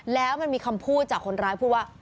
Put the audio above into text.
แล้วมันมีคำพูดจากคนร้ายพูดว่า